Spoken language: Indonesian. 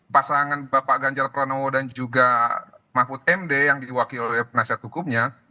pasangan bapak ganjar pranowo dan juga mahfud md yang diwakil oleh penasihat hukumnya